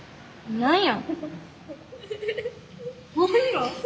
何や？